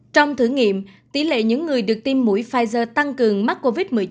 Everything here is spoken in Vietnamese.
trong thử nghiệm tỷ lệ những người được tiêm mũi pfizer tăng cường mắc covid một mươi chín